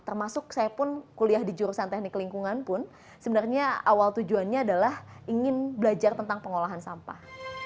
termasuk saya pun kuliah di jurusan teknik lingkungan pun sebenarnya awal tujuannya adalah ingin belajar tentang pengolahan sampah